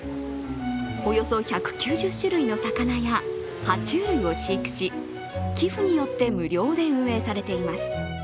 およそ１９０種類の魚や、は虫類を飼育し寄付によって、無料で運営されています。